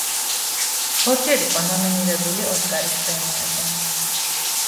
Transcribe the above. ორჯერ იყო ნომინირებული ოსკარის პრემიაზე.